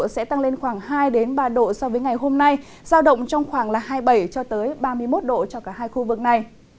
sẽ tăng lên khoảng hai ba độ so với ngày hôm nay giao động trong khoảng hai mươi bảy cho tới ba mươi một độ cho cả hai khu vực này